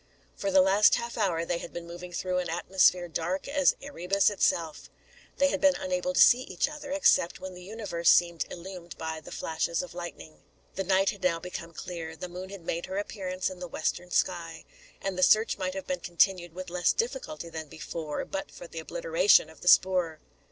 For the last half hour, they had been moving through an atmosphere dark as Erebus itself. They had been unable to see each other, except when the universe seemed illumed by the flashes of lightning. The night had now become clear. The moon had made her appearance in the western sky; and the search might have been continued with less difficulty than before, but for the obliteration of the spoor.